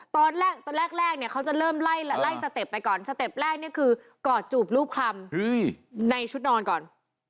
ตอนแรกจะเขาเริ่มไล่สเต็ปไปก่อน